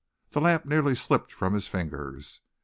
The lamp nearly slipped from his fingers.